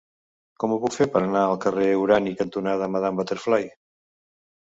Com ho puc fer per anar al carrer Urani cantonada Madame Butterfly?